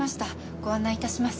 ご案内致します。